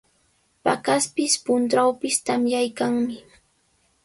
Paqaspis, puntrawpis tamyaykanmi.